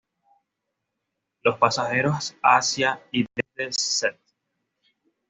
Los pasajeros hacia y desde St.